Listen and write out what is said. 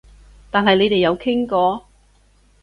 但係你哋有傾過？